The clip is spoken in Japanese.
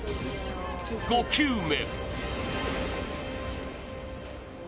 ５球目